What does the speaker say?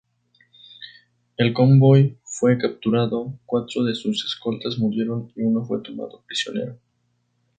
El convoy fue capturado, cuatro de sus escoltas murieron y uno fue tomado prisionero.